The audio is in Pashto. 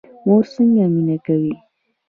مور څنګه مینه کوي؟